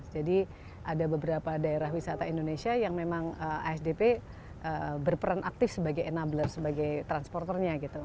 jadi ada beberapa daerah wisata indonesia yang memang asdp berperan aktif sebagai enabler sebagai transporternya gitu